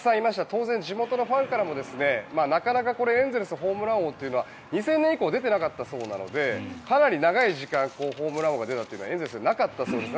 当然、地元のファンからもなかなか、エンゼルスでホームラン王というのは２０００年以降出ていなかったそうなのでかなり長い時間ホームラン王が出たというのはエンゼルスにはなかったそうです。